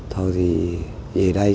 thôi thì về đây